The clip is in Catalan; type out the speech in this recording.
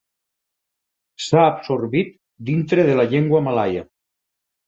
S'ha absorbit dintre de la llengua malaia.